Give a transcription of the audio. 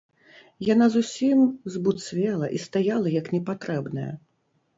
Яна зусім збуцвела і стаяла як непатрэбная.